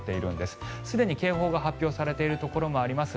すでに警報が発表されているところもあります。